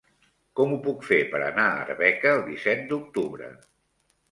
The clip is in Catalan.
Com ho puc fer per anar a Arbeca el disset d'octubre?